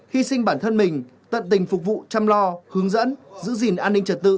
hy sinh bản thân mình tận tình phục vụ chăm lo hướng dẫn giữ gìn an ninh trật tự